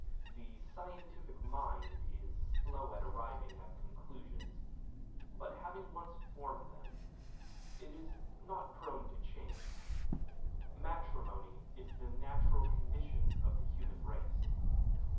The scientific mind is slow at arriving at conclusions, but having once formed them, it is not prone to change. Matrimony is the natural condition of the human race.